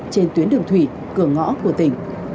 trên tuyến đường thủy cửa ngõ của tỉnh